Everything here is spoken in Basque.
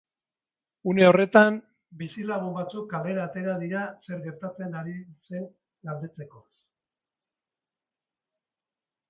Une horretan, bizilagun batzuk kalera atera dira zer gertatzen ari zen galdetzeko.